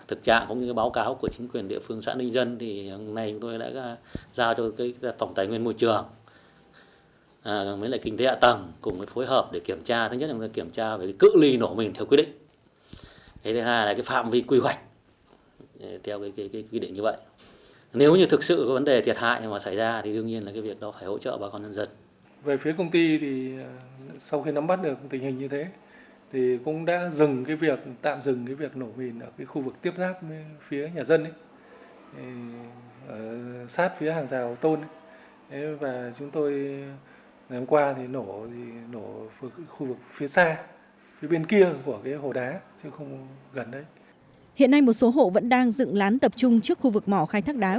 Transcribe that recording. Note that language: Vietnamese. ubnd huyện thanh ba đã giao phòng tài nguyên môi trường phòng kinh tế hạ tầng phối hợp kiểm tra tình hình thực tế tại khu vực mỏ khai thác đá